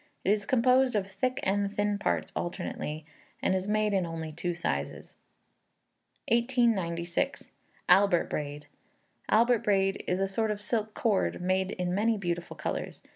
It is composed of thick and thin parts alternately, and is made in only two sizes. 1896. Albert Braid. Albert braid is a sort of silk cord, made in many beautiful colours.